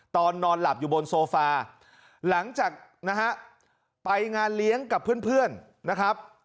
นอนหลับอยู่บนโซฟาหลังจากนะฮะไปงานเลี้ยงกับเพื่อนนะครับ